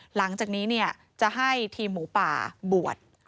หลังจากนี้จะให้ทีมหมูป่าบวช